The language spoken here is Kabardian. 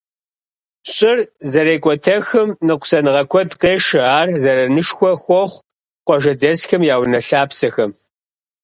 Щӏыр зэрекӏуэтэхым ныкъусаныгъэ куэд къешэ, ар зэранышхуэ хуохъу къуажэдэсхэм я унэ-лъапсэхэм.